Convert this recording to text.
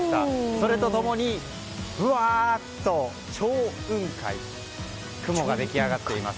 それと共に、ぶわっと超雲海の雲が出来上がっています。